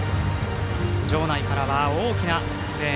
場内からは大きな声援。